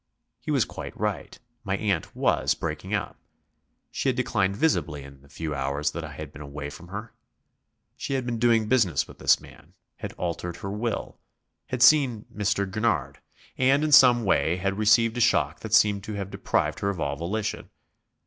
He was quite right; my aunt was breaking up, she had declined visibly in the few hours that I had been away from her. She had been doing business with this man, had altered her will, had seen Mr. Gurnard; and, in some way had received a shock that seemed to have deprived her of all volition.